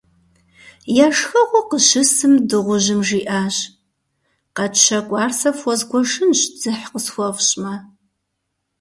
Я шхэгъуэ къыщысым, дыгъужьым жиӏащ: - Къэтщэкӏуар сэ фхуэзгуэшынщ, дзыхь къысхуэфщӏмэ.